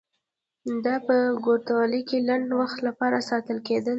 یا به په کوټوالۍ کې د لنډ وخت لپاره ساتل کېدل.